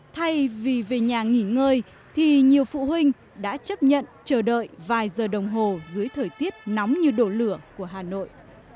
thay vì về nhà nghỉ ngơi thì nhiều phụ huynh đã chấp nhận chờ đợi vài giờ đồng hồ dưới thời tiết nóng như đổ lửa của hà nội